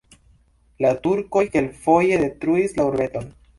La turkoj kelkfoje detruis la urbeton.